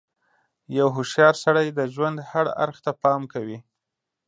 • یو هوښیار سړی د ژوند هر اړخ ته پام کوي.